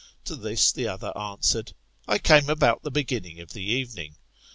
To this the other answered, I came about the beginning of the evening.